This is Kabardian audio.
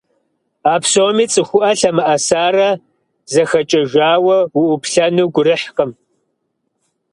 А псоми цӀыхуӀэ лъэмыӀэсарэ зэхэкӀэжауэ уӀуплъэну гурыхькъым.